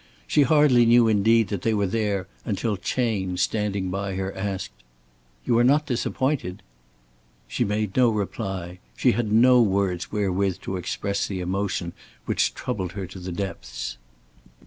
She hardly knew indeed that they were there until Chayne standing by her asked: "You are not disappointed?" She made no reply. She had no words wherewith to express the emotion which troubled her to the depths.